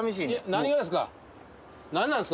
何がですか？